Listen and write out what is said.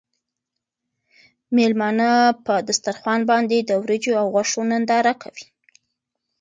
مېلمانه په دسترخوان باندې د وریجو او غوښو ننداره کوي.